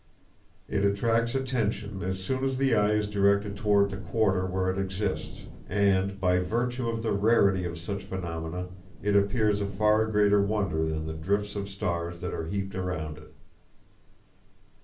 It attracts attention as soon as the eye is directed toward the quarter where it exists, and by virtue of the rarity of such phenomena it appears a far greater wonder than the drifts of stars that are heaped around it.